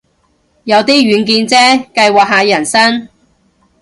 有啲遠見啫，計劃下人生